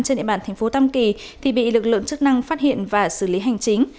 trên địa bàn tp tâm kỳ thì bị lực lượng chức năng phát hiện và xử lý hành chính